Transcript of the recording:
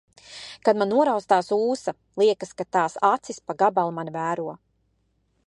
Kad man noraustās ūsa. Liekas, ka tās acis pa gabalu mani vēro.